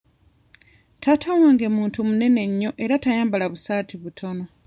Taata wange muntu munene nnyo era tayambala busaati butono.